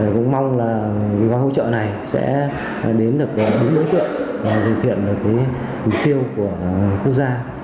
cũng mong là những cái hỗ trợ này sẽ đến được đối tượng và thực hiện được cái mục tiêu của quốc gia